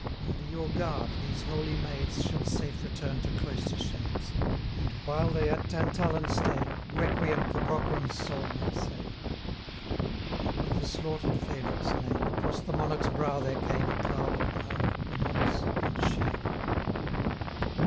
440 Under your guard, these holy maids Shall safe return to cloister shades, And, while they at Tantallon stay, Requiem for Cochran's soul may say.' And, with the slaughter'd favourite's name, 445 Across the Monarch's brow there came A cloud of ire, remorse, and shame.